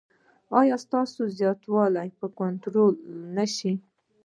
ایا ستاسو زیاتوالی به کنټرول نه شي؟